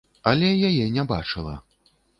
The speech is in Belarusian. Але яе не бачыла.